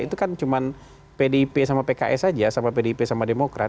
itu kan cuma pdip sama pks saja sama pdip sama demokrat